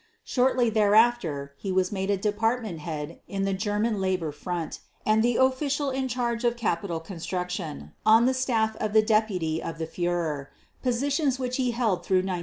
Shortly thereafter he was made a department head in the German Labor Front and the official in charge of capital construction on the staff of the deputy to the Führer, positions which he held through 1941.